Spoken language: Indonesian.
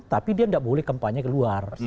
tapi dia nggak boleh kempanya keluar